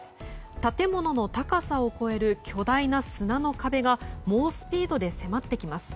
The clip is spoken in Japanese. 建物の高さを超える巨大な砂の壁が猛スピードで迫ってきます。